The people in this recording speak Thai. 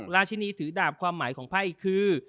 ราชินีถือดาบความหมายของไพ่คือ